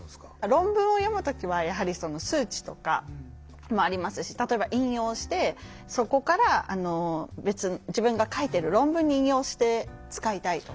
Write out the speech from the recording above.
論文を読む時はやはり数値とかもありますし例えば引用してそこから別の自分が書いてる論文に引用して使いたいとか。